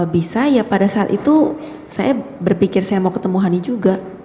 bisa ya pada saat itu saya berpikir saya mau ketemu honey juga